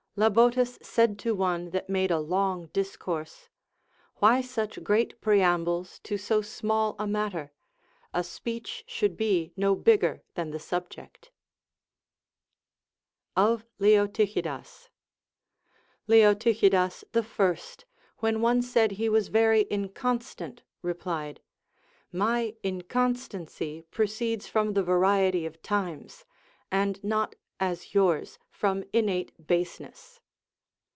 Labotus said to one that made a long discourse : Why such great preambles to so small a matter ? A speech should be no bigger than the subject. Of Leotycliidas. Leotycliidas the First, when one said he was very incon stant, replied. My inconstancy proceeds from the variety of times, and not as yours from innate baseness.